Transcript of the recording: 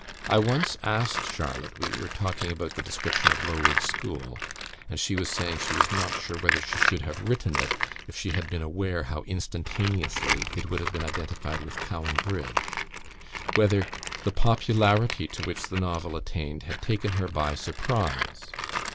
I once asked Charlotte we were talking about the description of Lowood school, and she was saying that she was not sure whether she should have written it, if she had been aware how instantaneously it would have been identified with Cowan Bridge whether the popularity to which the novel attained had taken her by surprise.